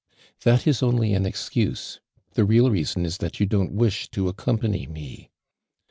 '' "That is only an excuse. The real njason is that you tlon't wish to accompany me."